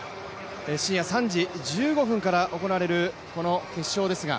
深夜３時１５分から行われる決勝ですが